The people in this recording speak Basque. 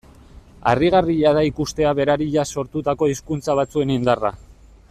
Harrigarria da ikustea berariaz sortutako hizkuntza batzuen indarra.